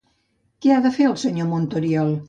Què ha de fer el senyor Montoriol?